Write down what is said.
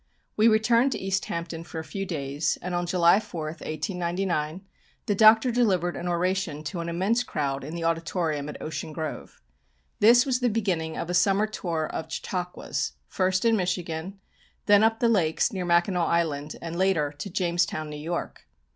We returned to East Hampton for a few days, and on July 4, 1899, the Doctor delivered an oration to an immense crowd in the auditorium at Ocean Grove. This was the beginning of a summer tour of Chautauquas, first in Michigan, then up the lakes near Mackinaw Island, and later to Jamestown, New York.